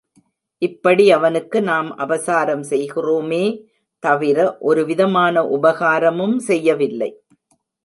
இப்படி அவனுக்கு நாம் அபசாரம் செய்கிறோமே தவிர ஒரு விதமான உபகாரமும் செய்யவில்லை.